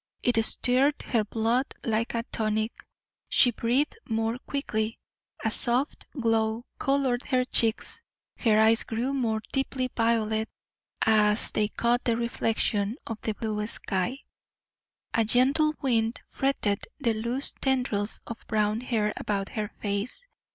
It stirred her blood like a tonic. She breathed more quickly; a soft glow coloured her cheeks; her eyes grew more deeply violet as they caught the reflection of the blue sky. A gentle wind fretted the loose tendrils of brown hair about her face.